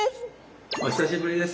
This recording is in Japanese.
お久しぶりです。